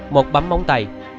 một bấm móng tay